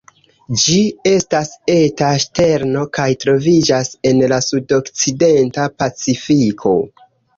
Ĝi estas eta ŝterno kaj troviĝas en la sudokcidenta Pacifiko.